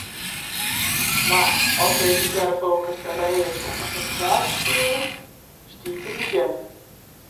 Mar oft deputearre Folkerts ree is om foar Sinteklaas te spyljen, stiet te besjen.